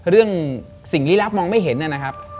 เรื่องสิ่งลิลักษณ์มองไม่เห็นเนี่ยนะครับ